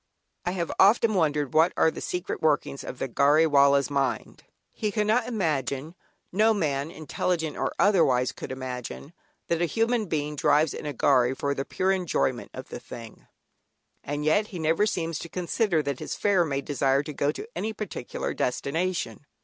I have often wondered what are the secret workings of the "Gharry Wallah's" mind. He cannot imagine, (no man, intelligent or otherwise, could imagine) that a human being drives in a "gharry" for the pure enjoyment of the thing; and yet he never seems to consider that his "fare" may desire to go to any particular destination.